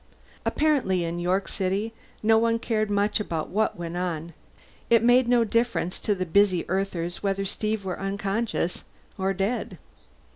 Apparently in York City no one cared much about what went on; it made no difference to the busy Earthers whether Steve were unconscious or dead.